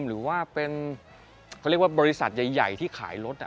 หรือว่าเป็นเขาเรียกว่าบริษัทใหญ่ที่ขายรถ